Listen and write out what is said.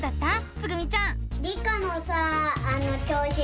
つぐみちゃん。